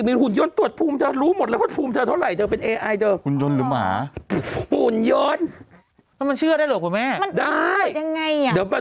เดี๋ยวมาดูฉันก็อยากจะเห็นเหมือนกัน